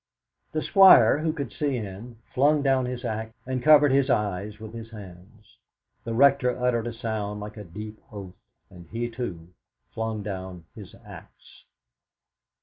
The Squire, who could see in, flung down his axe, and covered his eyes with his hands. The Rector uttered a sound like a deep oath, and he, too, flung down his axe.